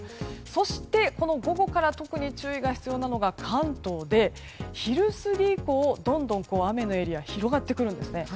そして、午後から特に注意が必要なのが関東で昼過ぎ以降どんどん雨のエリアが広がってくるんですね。